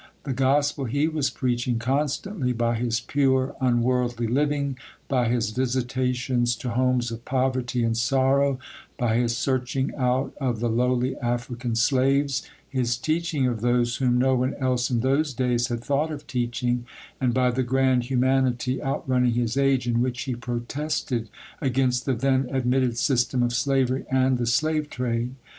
The gospel he was preaching constantly, by his pure, unworldly living, by his visitations to homes of poverty and sorrow, by his searching out of the lowly African slaves, his teaching of those whom no one else in those days had thought of teaching, and by the grand humanity, outrunning his age, in which he protested against the then admitted system of slavery and the slave trade.